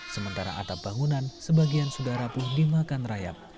sementara atap bangunan sebagian sudah rapuh dimakan rayap